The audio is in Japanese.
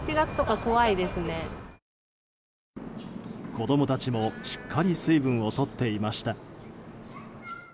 子供たちも、しっかり水分を取っていました。